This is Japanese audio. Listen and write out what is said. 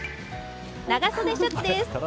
長袖シャツです。